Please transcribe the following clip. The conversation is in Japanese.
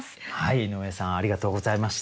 井上さんありがとうございました。